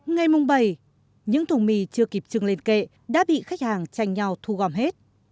ngày mùng bảy những thùng mì chưa kịp trưng lên kệ đã bị khách hàng tranh nhau thu gom hết